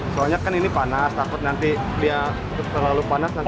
soalnya kan ini panas takut nanti dia terlalu panas nanti